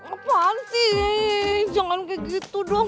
apaan sih jangan kayak gitu dong